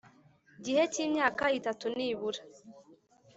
gihe cy imyaka itatu nibura